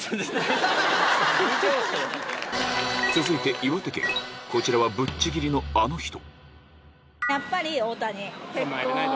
続いてこちらはぶっち切りのあの人